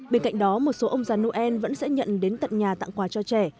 bên cạnh đó một số ông già noel vẫn sẽ nhận đến tận nhà tặng quà cho trẻ